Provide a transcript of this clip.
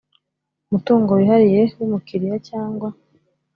Mutungo wihariye w umukiriya cyangwa